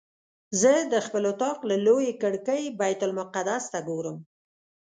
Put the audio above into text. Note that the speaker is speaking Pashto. زه د خپل اطاق له لویې کړکۍ بیت المقدس ته ګورم.